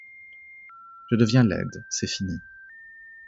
Je deviens laide, c'est fini.